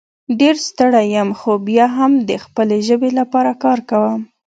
ډېر ستړی یم خو بیا هم د خپلې ژبې لپاره کار کوم